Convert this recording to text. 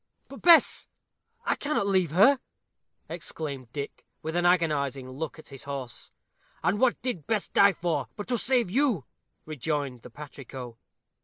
"But Bess I cannot leave her," exclaimed Dick, with an agonizing look at his horse. "And what did Bess die for, but to save you?" rejoined the patrico.